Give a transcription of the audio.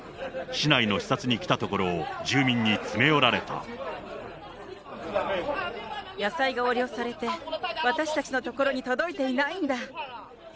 市内の視察に来たところを住民に野菜が横領されて、私たちのところに届いていないんだ。